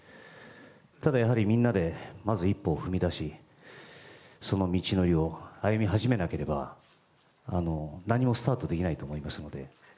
ただ、みんなでまず一歩を踏み出しその道のりを歩み始めなければ何もスタートできないと思いますので。